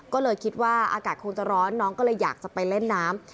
ก็เลยคิดว่าอากาศคงจะร้อนน้องก็เลยอยากจะไปเล่นน้ำ